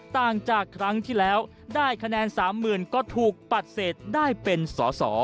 ต่างจากครั้งที่แล้วได้คะแนน๓๐๐๐ก็ถูกปฏิเสธได้เป็นสอสอ